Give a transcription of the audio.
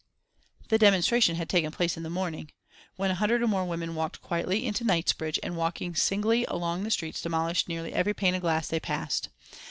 The demonstration had taken place in the morning, when a hundred or more women walked quietly into Knightsbridge and walking singly along the streets demolished nearly every pane of glass they passed.